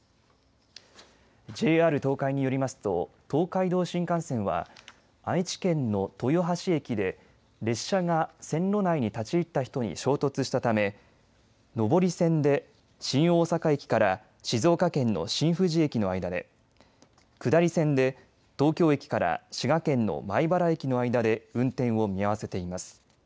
ＪＲ東海によりますと東海道新幹線は愛知県の豊橋駅で列車が線路内に立ち入った人に衝突したため上り線で新大阪駅から静岡県の新富士駅の間で、下り線で東京駅から滋賀県の米原駅の間で運転を見合わせています。